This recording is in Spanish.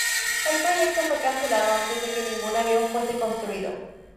El proyecto fue cancelado antes de que ningún avión fuese construido.